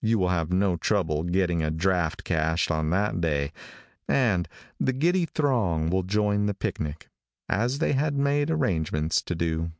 You will have no trouble getting a draft cashed on that day, and the giddy throng will join the picnic as they had made arrangements to do.